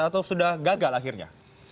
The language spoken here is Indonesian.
atau sudah gagal akhirnya